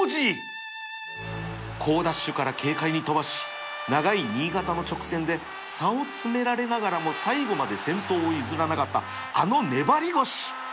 好ダッシュから軽快に飛ばし長い新潟の直線で差を詰められながらも最後まで先頭を譲らなかったあの粘り腰